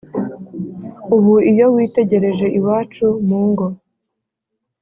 .Ubu iyo witegereje iwacu mu ngo